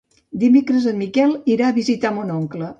Dimecres en Miquel irà a visitar mon oncle.